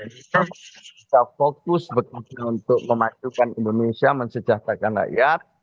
kita fokus untuk memadukan indonesia mensejahterakan rakyat